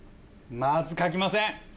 まず書きません。